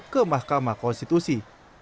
ke mahkamah konstitusi